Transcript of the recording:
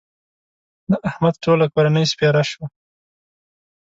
د احمد ټوله کورنۍ سپېره شوه.